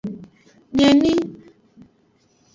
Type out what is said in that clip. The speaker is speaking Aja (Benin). Nye emi.